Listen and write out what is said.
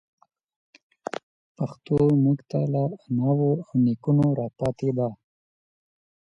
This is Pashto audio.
پښتو موږ ته له اناوو او نيکونو راپاتي ده.